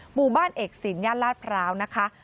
หมู่บ้านเอกศิลปย่านลาดพร้าวนะคะ